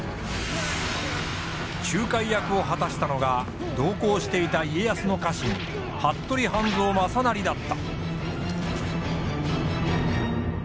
仲介役を果たしたのが同行していた家康の家臣服部半蔵正成だった。